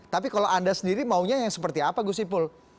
tapi kalau anda sendiri maunya yang seperti apa gus ipul